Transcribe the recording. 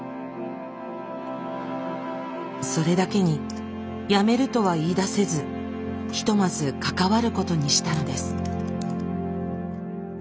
それだけにやめるとは言いだせずひとまず関わることにしたのです。